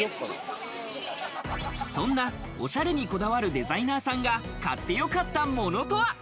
そんなお洒落にこだわるデザイナーさんが買ってよかったものとは？